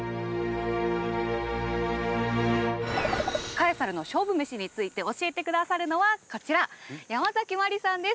カエサルの勝負メシについて教えて下さるのはこちらヤマザキマリさんです。